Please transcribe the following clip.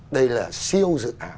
đây là siêu dự án